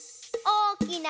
おおきな